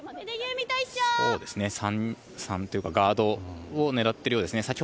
３というかガードを狙っているようですね。